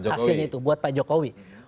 hasilnya itu buat pak jokowi